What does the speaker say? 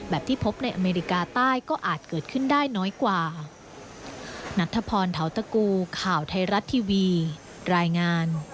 ที่พบในอเมริกาใต้ก็อาจเกิดขึ้นได้น้อยกว่า